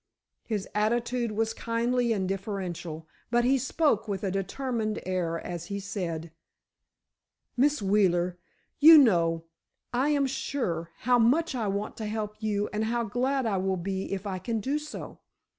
His attitude was kindly and deferential, but he spoke with a determined air as he said: "Miss Wheeler, you know, I am sure, how much I want to help you, and how glad I will be if I can do so.